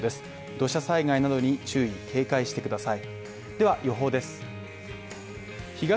土砂災害などに注意警戒してください。